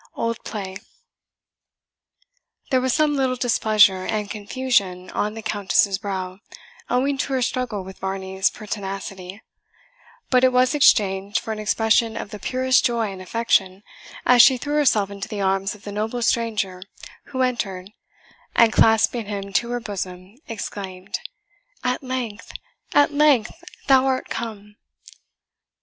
OLD PLAY. There was some little displeasure and confusion on the Countess's brow, owing to her struggle with Varney's pertinacity; but it was exchanged for an expression of the purest joy and affection, as she threw herself into the arms of the noble stranger who entered, and clasping him to her bosom, exclaimed, "At length at length thou art come!"